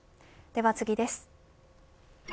では次です。